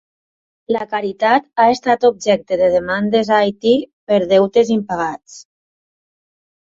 La caritat ha estat objecte de demandes a Haití per deutes impagats.